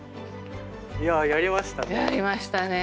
いややりましたね。